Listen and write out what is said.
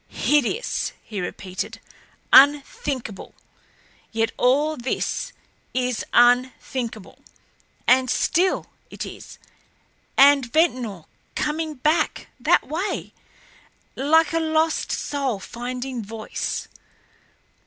"Hideous!" he repeated. "Unthinkable yet all this is unthinkable. And still it is! And Ventnor coming back that way. Like a lost soul finding voice.